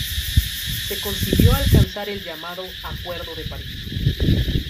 Se consiguió alcanzar el llamado Acuerdo de París.